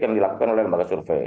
yang dilakukan oleh lembaga survei